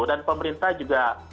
dan pemerintah juga